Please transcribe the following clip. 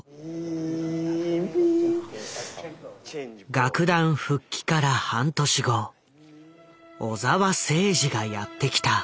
楽団復帰から半年後小澤征爾がやって来た。